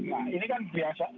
nah ini kan biasa